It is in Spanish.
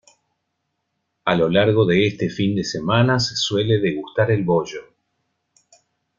A lo largo de este fin de semana se suele degustar el bollo.